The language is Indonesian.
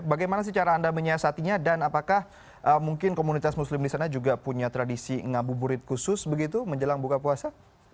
bagaimana sih cara anda menyiasatinya dan apakah mungkin komunitas muslim di sana juga punya tradisi ngabuburit khusus begitu menjelang buka puasa